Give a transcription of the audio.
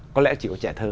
có lẽ chỉ có trẻ thơ